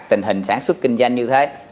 tình hình sản xuất kinh doanh như thế